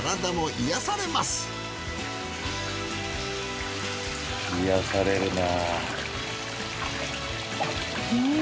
癒やされるなぁ。